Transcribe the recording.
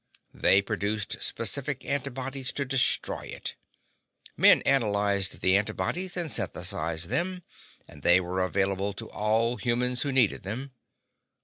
They produced specific antibodies to destroy it. Men analyzed the antibodies and synthesized them, and they were available to all the humans who needed them.